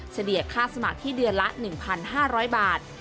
เฉลี่ยค่าสมัครที่เดือนละ๑๕๐๐บาท